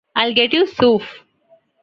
I'll get you 'Souf'!